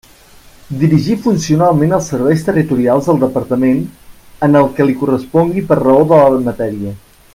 Dirigir funcionalment els Serveis Territorials del Departament, en el que li correspongui per raó de la matèria.